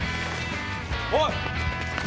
おい！